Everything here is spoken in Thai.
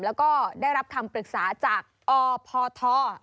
แล้วก็ได้รับคำปรึกษาจากอพท